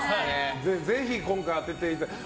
ぜひ今回当てていただきたい。